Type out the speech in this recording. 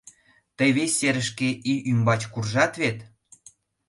Тый вес серышке ий ӱмбач куржат вет?